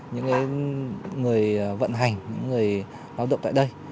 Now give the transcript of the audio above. những người vận hành những người lao động tại đây